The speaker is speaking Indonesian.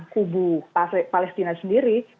kubu palestina sendiri